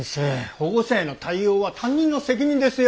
保護者への対応は担任の責任ですよ。